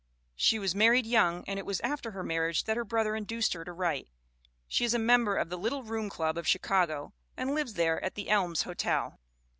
She was married young and it was after her marriage that her brother induced her to write. She is a member of the Little Room Club of Chicago and lives there at The Elms Hotel.